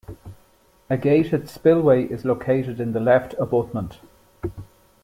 A gated spillway is located in the left abutment.